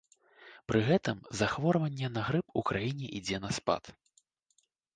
Пры гэтым захворванне на грып у краіне ідзе на спад.